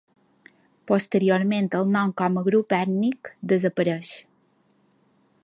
Posteriorment el nom com a grup ètnic desapareix.